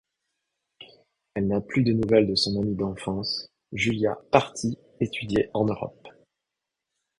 Elle n'a plus de nouvelle de son amie d'enfance Julia partie étudier en Europe.